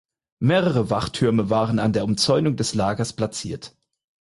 Mehrere Wachtürme waren an der Umzäunung des Lagers platziert.